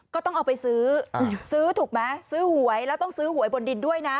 ก็ต้องเอาไปซื้อซื้อถูกไหมซื้อหวยแล้วต้องซื้อหวยบนดินด้วยนะ